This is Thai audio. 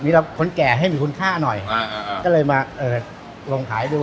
มีคนแก่ให้มีคนฆ่าหน่อยอ่าอ่าอ่าก็เลยมาเอ่อลงขายดู